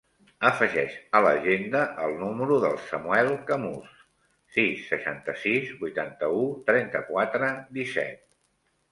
Afegeix a l'agenda el número del Samuel Camus: sis, seixanta-sis, vuitanta-u, trenta-quatre, disset.